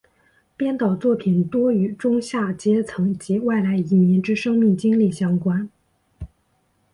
编导作品多与中下阶层及外来移民之生命经历相关。